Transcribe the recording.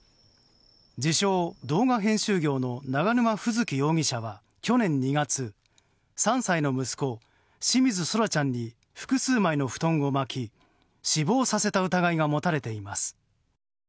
自称動画編集業の永沼楓月容疑者は去年２月、３歳の息子清水奏良ちゃんに複数枚の布団を巻き死亡させた疑いが持たれています。